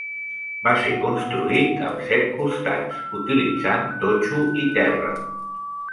Va ser construït amb set costats utilitzant totxo i terra.